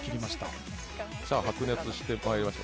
白熱してまいりました。